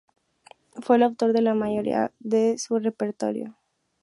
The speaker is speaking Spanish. Fue el autor de la mayoría de su repertorio.